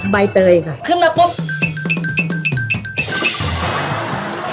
ใบเตยค่ะขึ้นมาปุ๊บ